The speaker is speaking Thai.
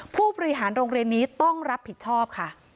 ผู้บริหารโรงเรียนนี้ต้องรับผิดชอบค่ะ